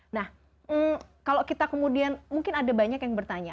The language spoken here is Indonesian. nah kalau kita kemudian mungkin ada banyak yang bertanya